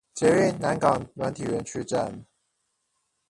捷運南港軟體園區站